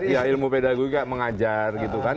ya ilmu pedagugat mengajar gitu kan